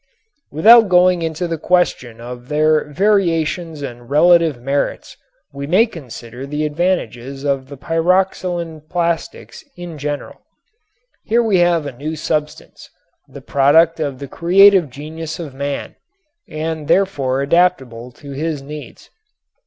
Without going into the question of their variations and relative merits we may consider the advantages of the pyroxylin plastics in general. Here we have a new substance, the product of the creative genius of man, and therefore adaptable to his needs.